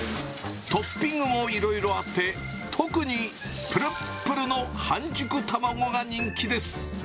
トッピングもいろいろあって、特にぷるっぷるの半熟卵が人気です。